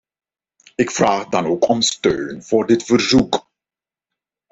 Ik vraag dan ook om steun voor dit verzoek.